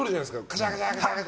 カシャカシャカシャ。